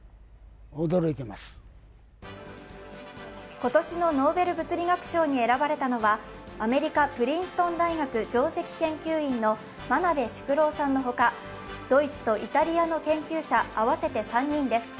今年のノーベル物理学賞に選ばれたのはアメリカ・プリンストン大学上席研究員の真鍋淑郎さんのほかドイツとイタリアの研究者、合わせて３人です。